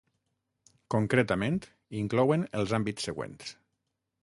Concretament, inclouen els àmbits següents.